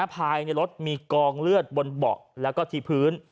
ภายในรถมีกองเลือดบนเบาะแล้วก็ที่พื้น